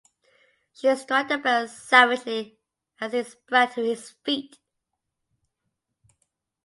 She struck the bell savagely as he sprang to his feet.